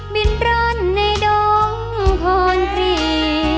บินรันในดงคลอนทรีย์